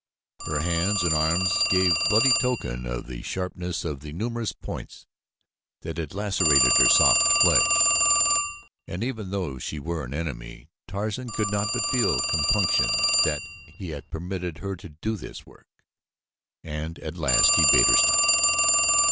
Her hands and arms gave bloody token of the sharpness of the numerous points that had lacerated her soft flesh, and even though she were an enemy Tarzan could not but feel compunction that he had permitted her to do this work, and at last he bade her stop.